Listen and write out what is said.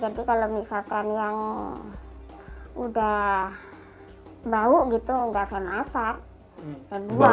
jadi kalau misalkan yang udah bau gitu nggak saya masak saya buang